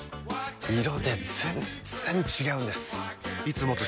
色で全然違うんです！